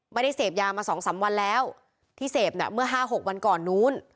ไม่ได้เสพยามาสองสามวันแล้วที่เสพเนี่ยเมื่อ๕๖วันก่อนนู้น